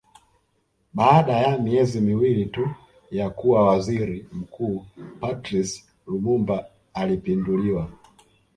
Baada ya miezi miwili tu ya kuwa Waziri Mkuu Patrice Lumumba alipinduliwa